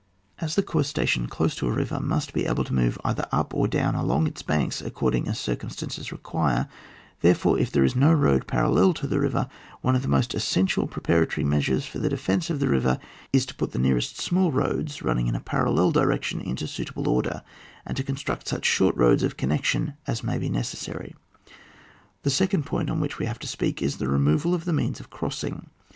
137 As the corps stationed dose to a river must be able to move either up or down along its banks according as circum stances require, therefore if there is no road parallel to the river, one of the most essential preparatory measures for the defence of the river is to put the nearest small roads running in a parallel direction into suitable order, and to con struct such short roads of connection as may be necessary. The second point on which we have to speak, is the removal of the means of crossing.